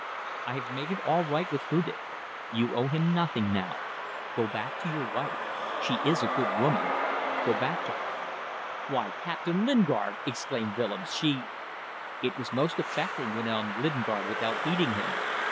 "I have made it all right with Hudig. You owe him nothing now. Go back to your wife. She is a good woman. Go back to her." "Why, Captain Lingard," exclaimed Willems, "she ..." "It was most affecting," went on Lingard, without heeding him.